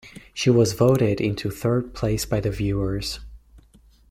She was voted into third place by the viewers.